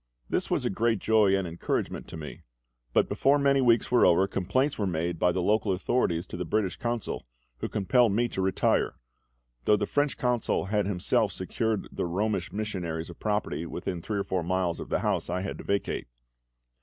This was a great joy and encouragement to me; but before many weeks were over complaints were made by the local authorities to the British Consul, who compelled me to retire; though the French Consul had himself secured to the Romish missionaries a property within three or four miles of the house I had to vacate.